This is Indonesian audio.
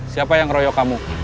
siapa yang royok kamu